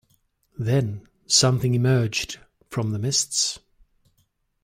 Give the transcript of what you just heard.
Then something emerged from the mists.